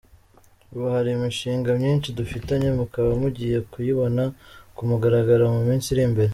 Ubu hari imishinga myinshi dufitanye mukaba mugiye kuyibona ku mugaragaro mu minsi iri imbere”.